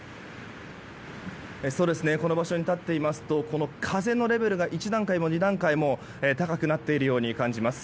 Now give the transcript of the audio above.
この場所に立っていますと風のレベルが一段階も二段階も高くなっているように感じます。